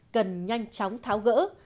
cần nhanh chóng tháo gỡ